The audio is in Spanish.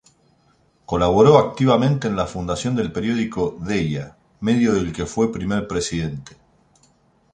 Colaboró activamente en la fundación del periódico "Deia", medio del que fue primer presidente.